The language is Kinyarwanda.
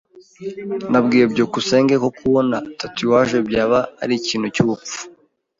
Nabwiye byukusenge ko kubona tatouage byaba ari ikintu cyubupfu.